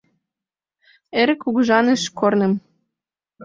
Эрык кугыжаныш корным